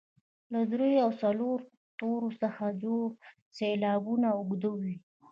له دریو او څلورو تورو څخه جوړ سېلابونه اوږده وي.